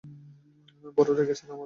বড় রেগেছেন আমর পরে না?